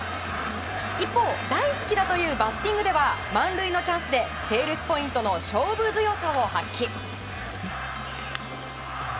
一方、大好きだというバッティングでは満塁のチャンスでセールスポイントの勝負強さを発揮。